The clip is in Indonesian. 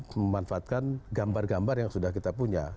memanfaatkan gambar gambar yang sudah kita punya